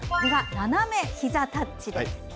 斜めひざタッチです。